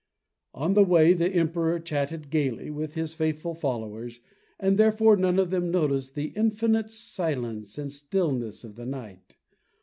On the way the Emperor chatted gaily with his faithful followers, and therefore none of them noticed the infinite silence and stillness of the night.